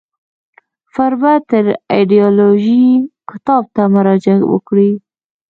فربه تر از ایدیالوژی کتاب ته مراجعه وکړئ.